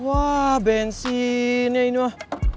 wah bensinnya ini mah